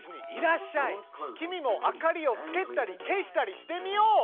君も明かりをつけたり消したりしてみよう！